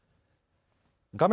画面